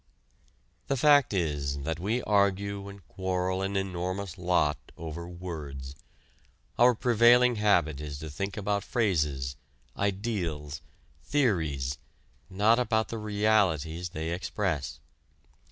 The fact is that we argue and quarrel an enormous lot over words. Our prevailing habit is to think about phrases, "ideals," theories, not about the realities they express.